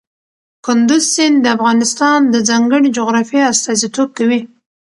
کندز سیند د افغانستان د ځانګړي جغرافیه استازیتوب کوي.